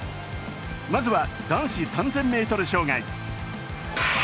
まずは男子３０００ｍ障害。